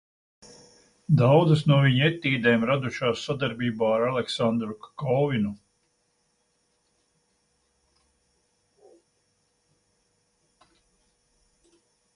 Daudzas no viņa etīdēm radušās sadarbībā ar Aleksandru Kakovinu.